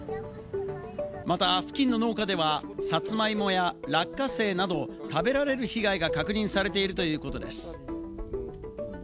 また付近の農家では、サツマイモや落花生などを食べられる被害が確認されているということです。